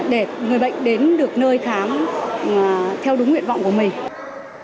để người bệnh đến được nơi khám theo đúng nguyện vọng của mình